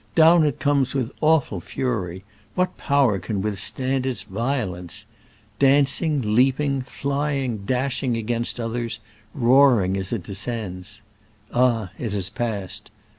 Down it comes with awful fury : what power can with stand its violence ? Dancing leaping, flying, dashing against others, roaring as it descends. Ah, it has passed